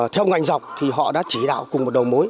khoảnh dọc thì họ đã chỉ đạo cùng một đầu mối